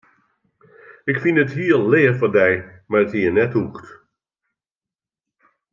Ik fyn it hiel leaf fan dy, mar it hie net hoegd.